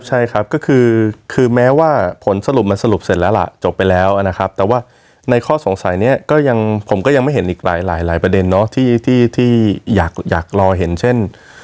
ใช่ครับก็คือแม้ว่าผลสรุปมันสรุปเสร็จแล้วล่ะจบไปแล้วนะครับแต่ว่าในข้อสงสัยนี้ก็ยังผมก็ยังไม่เห็นอีกหลายประเด็นเนาะที่อยากรอเห็นเช่น